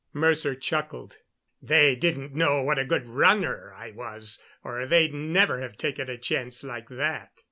Mercer chuckled. "They didn't know what a good runner I was, or they'd never have taken a chance like that."